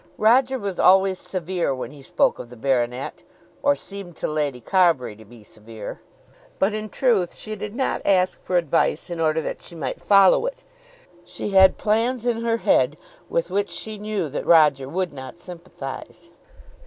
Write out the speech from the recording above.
Roger was always severe when he spoke of the baronet, or seemed to Lady Carbury to be severe. But, in truth, she did not ask for advice in order that she might follow it. She had plans in her head with which she knew that Roger would not sympathise.